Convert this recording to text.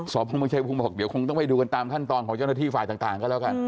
สพเมืองชายภูมิบอกเดี๋ยวคงต้องไปดูกันตามขั้นตอนของเจ้าหน้าที่ฝ่ายต่างก็แล้วกัน